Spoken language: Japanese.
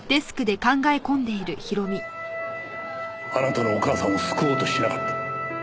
あなたのお母さんを救おうとしなかった。